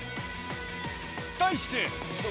題して。